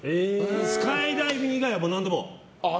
スカイダイビング以外は何でも。